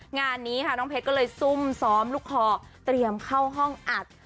งานนี้ค่ะน้องเพชรก็เลยซุ่มซ้อมลูกคอเตรียมเข้าห้องอัด